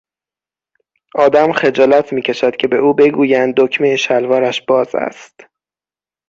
آدم خجالت میکشد که به او بگویند دکمهی شلوارش باز است.